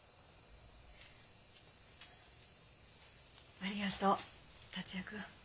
ありがとう達也君。